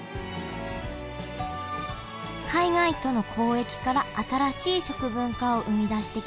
海外との交易から新しい食文化を生み出してきた長崎。